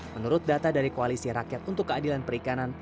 menurut data dari koalisi rakyat untuk keadilan perikanan